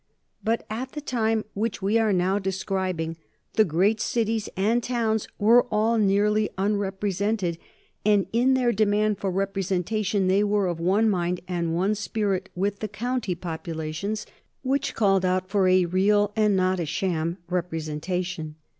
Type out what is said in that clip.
But at the time which we are now describing the great cities and towns were all nearly unrepresented, and in their demand for representation they were of one mind and one spirit with the county populations, which called out for a real and not a sham representation.